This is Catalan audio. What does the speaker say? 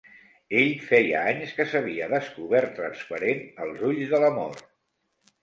Ell feia anys que s'havia descobert transparent als ulls de l'amor.